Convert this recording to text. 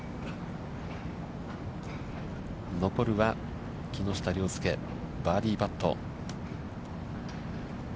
残るは、木下稜介、バーディーパット。